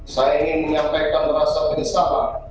saya ingin menyampaikan rasa penyesalan